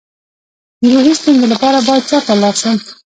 د روحي ستونزو لپاره باید چا ته لاړ شم؟